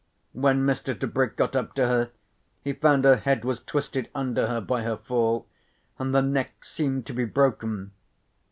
When Mr. Tebrick got up to her he found her head was twisted under her by her fall and the neck seemed to be broken.